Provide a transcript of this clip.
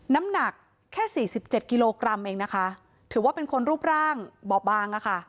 น้ำหนักแค่สี่สิบเจ็ดกิโลกรัมเองนะคะถือว่าเป็นคนรูปร่างบอบบางอ่ะค่ะ